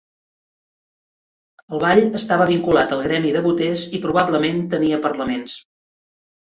El ball estava vinculat al gremi de boters i probablement tenia parlaments.